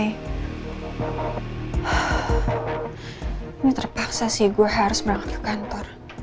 ini terpaksa sih gue harus berangkat ke kantor